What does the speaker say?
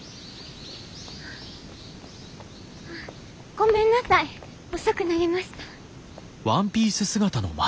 ごめんなさい遅くなりました。